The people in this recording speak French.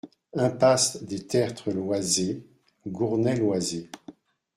Impasse des Tertres Loizé, Gournay-Loizé